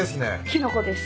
キノコです。